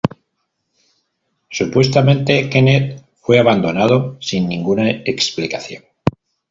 Supuestamente Kenneth fue abandonado sin ninguna explicación.